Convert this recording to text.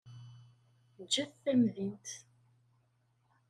Ǧǧet tamdint.